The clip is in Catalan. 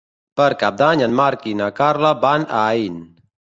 Per Cap d'Any en Marc i na Carla van a Aín.